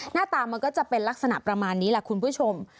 หน้าตามันก็จะเป็นลักษณะประมาณนี้แหละคุณผู้ชม